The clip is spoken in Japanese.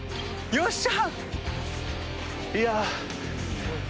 よっしゃ。